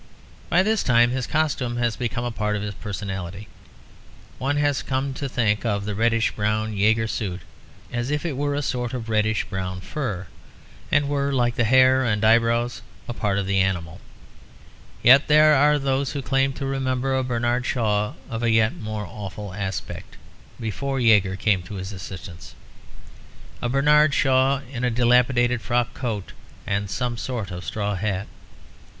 By this time his costume has become a part of his personality; one has come to think of the reddish brown Jaeger suit as if it were a sort of reddish brown fur, and were, like the hair and eyebrows, a part of the animal; yet there are those who claim to remember a Bernard Shaw of yet more awful aspect before Jaeger came to his assistance; a Bernard Shaw in a dilapidated frock coat and some sort of straw hat.